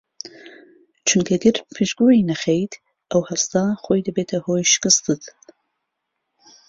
چونکە گەر پشتگوێی نەخەیت ئەو هەستە خۆی دەبێتە هۆی شکستت